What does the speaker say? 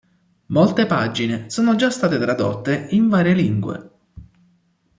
Molte pagine sono già state tradotte in varie lingue.